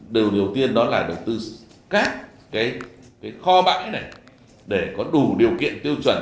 điều đầu tiên đó là đầu tư các kho bãi này để có đủ điều kiện tiêu chuẩn